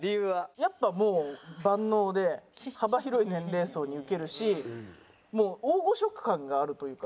やっぱもう万能で幅広い年齢層にウケるしもう大御所感があるというか。